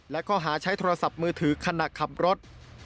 และข้อหาใช้โทรศัพท์มือถือขณะขับรถ